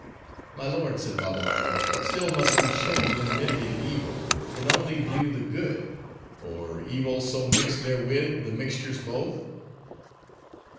"My lord," said Babbalanja; "still must we shun the unmitigated evil; and only view the good; or evil so mixed therewith, the mixture's both?"